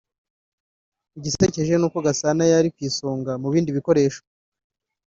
Igisekeje n’uko Gasana yari ku isonga mu bindi bikoresho